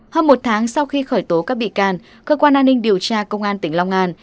hơn một tháng sau khi khởi tố các bị can cơ quan an ninh điều tra công an tỉnh long an